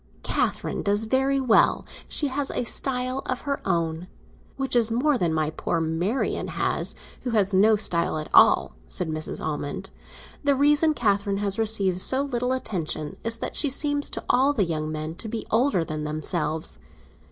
"Catherine does very well; she has a style of her own—which is more than my poor Marian has, who has no style at all," said Mrs. Almond. "The reason Catherine has received so little attention is that she seems to all the young men to be older than themselves.